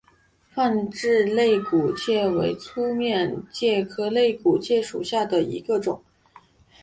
范睢肋骨介为粗面介科肋骨介属下的一个种。